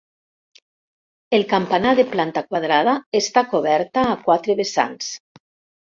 El campanar de planta quadrada està coberta a quatre vessants.